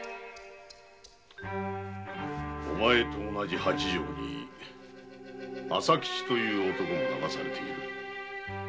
お前と同じ八丈島に「朝吉」という男が流されている。